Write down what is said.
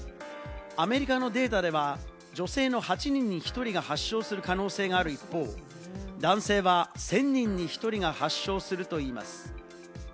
アメリカのデータでは、女性の８人に１人が発症する可能性がある一方、男性は１０００人に１人が発症するといいます。